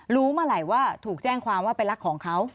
รู้เมื่อไหร่ว่าถูกแจ้งความว่าเป็นรักของเขา